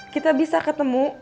kita bisa ketemu